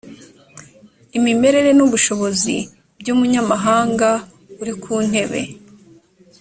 imimerere n’ubushobozi by’umunyamahanga uri ku ntebe